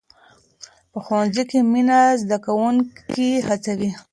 په ښوونځي کې مینه زده کوونکي هڅوي.